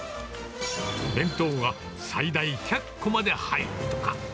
弁当が最大１００個まで入るとか。